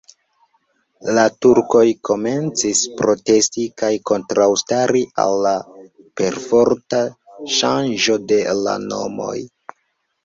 La turkoj komencis protesti kaj kontraŭstari al la perforta ŝanĝo de la nomoj.